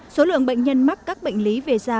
số lượng bệnh nhân mắc các bệnh lý về da